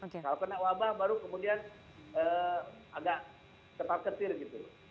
kalau kena wabah baru kemudian agak ketat ketir gitu